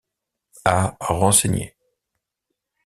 A renseigner.